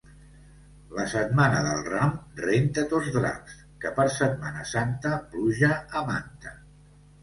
La Setmana del Ram renta tos draps, que per Setmana Santa, pluja a manta.